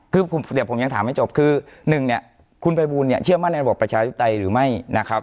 คือเดี๋ยวผมยังถามให้จบคือหนึ่งเนี่ยคุณภัยบูลเนี่ยเชื่อมั่นในระบบประชาธิปไตยหรือไม่นะครับ